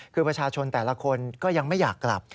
คือประชาชนแต่ละคนก็ยังไม่อยากกลับ